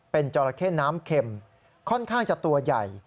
เป็นจราเข้น้ำเข็มค่อนข้างจะตัวใหญ่